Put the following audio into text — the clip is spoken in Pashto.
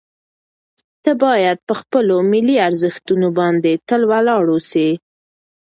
ته باید په خپلو ملي ارزښتونو باندې تل ولاړ واوسې.